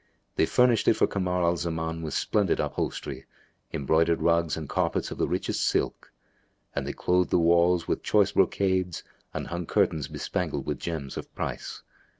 They furnished it for Kamar al Zaman with splendid upholstery, embroidered rugs and carpets of the richest silk; and they clothed the walls with choice brocades and hung curtains bespangled with gems of price.